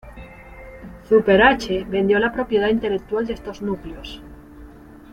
Súper H vendió la propiedad intelectual de estos núcleos.